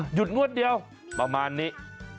งวดเดียวประมาณนี้